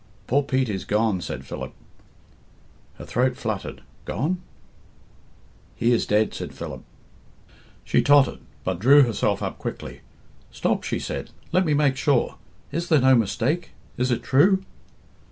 "Poor Pete is gone," said Philip. Her throat fluttered. "Gone?" "He is dead," said Philip. She tottered, but drew herself up quickly. "Stop!" she said. "Let me make sure. Is there no mistake? Is it true?"